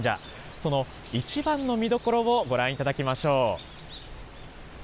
その一番の見どころをご覧いただきましょう。